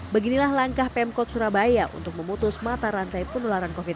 beginilah langkah pemkot surabaya untuk memutus mata rantai penularan covid sembilan belas